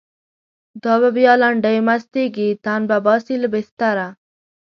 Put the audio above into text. دا به بیا لنډۍ مستیږی، تن به باسی له بستره